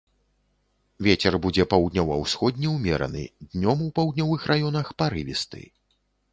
Вецер будзе паўднёва-ўсходні ўмераны, днём у паўднёвых раёнах парывісты.